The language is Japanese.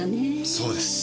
そうです。